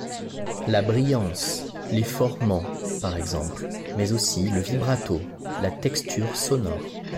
La brillance, les formants, par exemple, mais aussi le vibrato, la texture sonore.